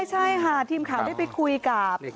ใช่ทีมข่าวก็ได้ไปคุยกับ